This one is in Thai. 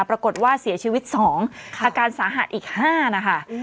ปรากฏว่าเสียชีวิต๒อาการสาหัสอีก๕นะคะ